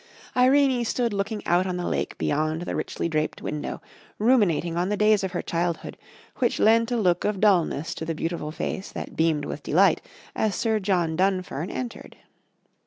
Irene stood looking out on the lake beyond the richly draped window, ruminating on the days of her childhood, which lent a look of dullness to the beautiful face that beamed with delight as Sir John Dunfern entered.